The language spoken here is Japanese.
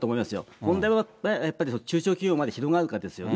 問題はやっぱり中小企業まで広がるかですよね。